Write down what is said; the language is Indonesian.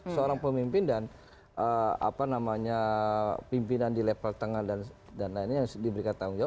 seorang pemimpin dan pimpinan di level tengah dan lainnya yang diberikan tanggung jawab